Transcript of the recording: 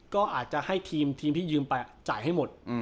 ก็อาจจะให้ทีมที่ยืมไปจ่ายให้หมด